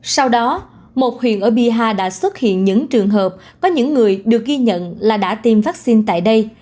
sau đó một huyện ở bihar đã xuất hiện những trường hợp có những người được ghi nhận là đã tiêm vaccine tại đây